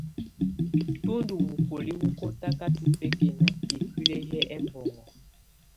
Tú ndù mukoliǝ wù natakatɔ̀ bɛkɛna ikuili yɛ ɛmbɔŋɔ.